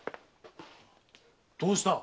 どうした？